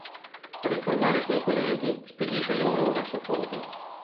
Per informare i suoi colleghi, spedisce loro una sua foto.